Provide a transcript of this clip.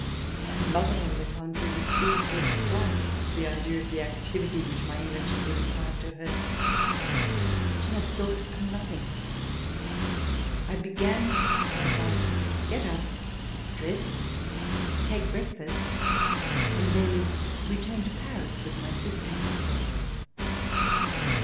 Her mother, on the contrary, was seized with fright at the idea of the activity which my energy would impart to her. She had thought of nothing. I began by advising her to get up, dress, take breakfast, and then return to Paris with my sister and myself.